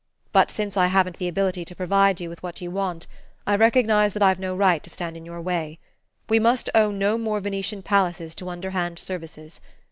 But since I haven't the ability to provide you with what you want, I recognize that I've no right to stand in your way. We must owe no more Venetian palaces to underhand services.